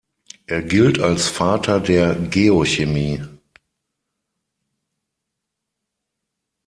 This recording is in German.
Er gilt als Vater der Geochemie.